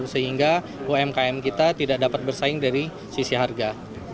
sehingga umkm kita tidak dapat bersaing dari sisi harga